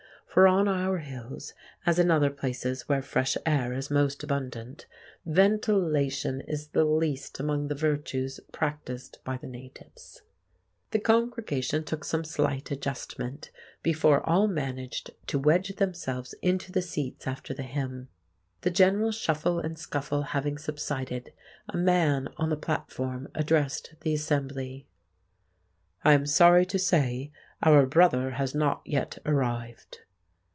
For on our hills, as in other places where fresh air is most abundant, ventilation is the least among the virtues practised by the natives. The congregation took some slight adjustment before all managed to wedge themselves into the seats after the hymn. The general shuffle and scuffle having subsided, a man on the platform addressed the assembly. "I am sorry to say our brother has not yet arrived."